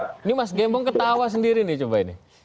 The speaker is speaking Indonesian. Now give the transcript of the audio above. ini mas gembong ketawa sendiri nih coba ini